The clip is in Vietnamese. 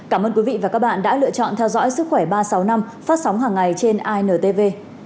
cảm ơn quý vị và các bạn đã lựa chọn theo dõi sức khỏe ba trăm sáu mươi năm phát sóng hàng ngày trên intv